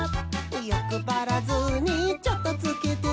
「よくばらずにチョットつけて」